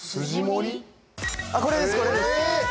これですこれですえっ